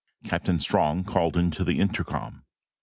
Captain Strong called into the intercom.